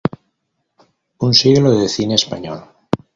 Un siglo de cine español.